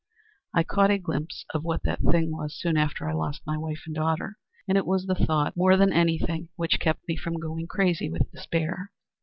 I caught a glimpse of what that thing was soon after I lost my wife and daughter, and it was the thought of that more than anything which kept me from going crazy with despair.